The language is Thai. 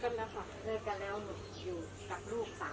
อันนี้เป็นของพ่อค่ะ